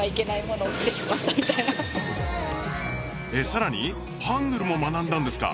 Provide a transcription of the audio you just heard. さらにハングルも学んだんですか。